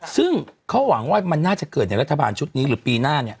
ซึ่งเขาหวังว่ามันน่าจะเกิดในรัฐบาลชุดนี้หรือปีหน้าเนี่ย